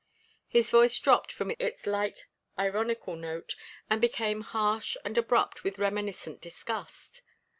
His voice dropped from its light ironical note, and became harsh and abrupt with reminiscent disgust.